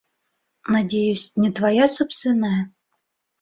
Надеюсь, не твоя собственная?